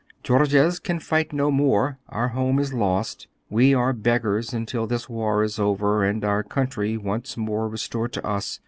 Georges can fight no more; our home is lost; we are beggars until this war is over and our country once more restored to us.